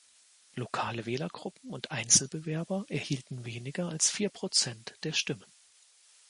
Lokale Wählergruppen und Einzelbewerber erhielten weniger als vier Prozent der Stimmen.